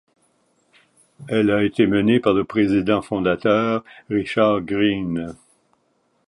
Elle a été menée par le président fondateur, Richard Green.